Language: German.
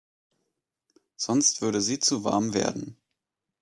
Sonst würde sie zu warm werden.